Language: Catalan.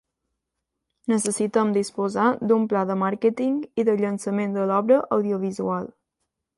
Necessitem disposar d'un pla de màrqueting i de llançament de l'obra audiovisual.